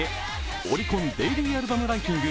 オリコンデイリーアルバムランキング